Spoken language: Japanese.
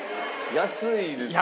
安いですね。